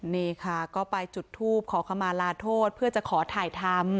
นี่ค่ะก็ไปจุดทูปขอขมาลาโทษเพื่อจะขอถ่ายทำ